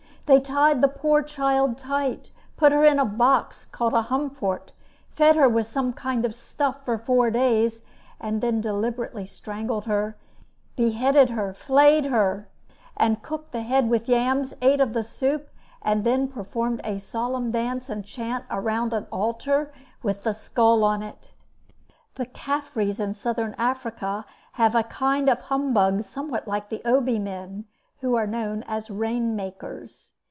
They tied the poor child tight, put her in a box called a humfort, fed her with some kind of stuff for four days, and then deliberately strangled her, beheaded her, flayed her, cooked the head with yams, ate of the soup, and then performed a solemn dance and chant around an altar with the skull on it. The Caffres in Southern Africa have a kind of humbug somewhat like the Obi men, who are known as rainmakers.